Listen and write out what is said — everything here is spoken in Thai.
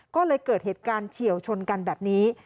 ก็เลยเกิดเหตุการณ์เฉียวชนกันแบบนี้